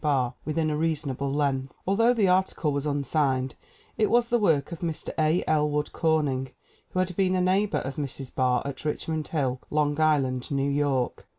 Barr within a reasonable length. Although the article was unsigned it was the work of Mr. A. El wood Corning, who had been a neighbor of Mrs. Barr at Richmond Hill, Long Island, New York.